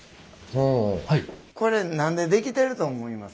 これ何で出来てると思います？